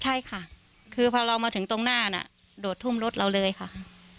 ใช่ค่ะคือพอเรามาถึงตรงหน้าน่ะโดดทุ่มรถเราเลยค่ะ